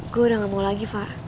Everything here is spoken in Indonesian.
gue udah enggak mau lagi pa